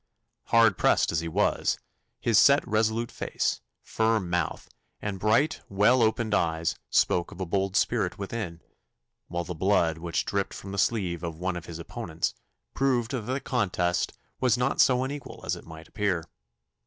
Hard pressed as he was, his set resolute face, firm mouth, and bright well opened eyes spoke of a bold spirit within, while the blood which dripped from the sleeve of one of his opponents proved that the contest was not so unequal as it might appear.